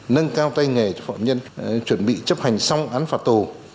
nâng cao tay nghề cho phạm nhân chuẩn bị chấp hành xong án phạt tù